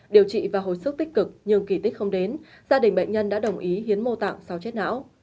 điều trị và hồi sức tích cực nhưng kỳ tích không đến gia đình bệnh nhân đã đồng ý hiến mô tạng sau chết não